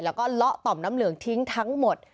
แล้วก็เลาะต่อมน้ำเหลืองทิ้งทั้งหมด